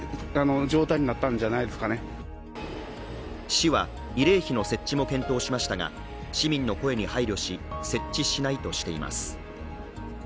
市は慰霊碑の設置も検討しましたが市民の声に配慮し、設置しないとしています。